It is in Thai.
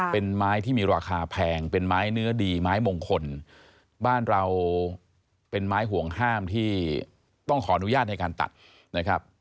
เป็นไม้ที่มีราคาแพงเป็นไม้เนื้อดีไม้มงคลบ้านเราเป็นไม้ห่วงห้ามที่ต้องขออนุญาตในการตัดนะครับ